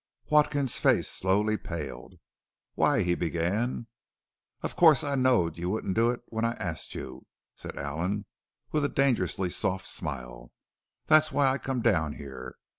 Watkins's face slowly paled. "Why " he began. "Of course I knowed you wouldn't do it when I asked you," said Allen with a dangerously soft smile. "That's why I come down here.